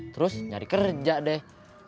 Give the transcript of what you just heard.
terus nyari kerja deh